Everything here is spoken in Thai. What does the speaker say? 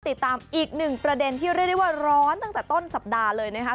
ติดตามอีกหนึ่งประเด็นที่เรียกได้ว่าร้อนตั้งแต่ต้นสัปดาห์เลยนะคะ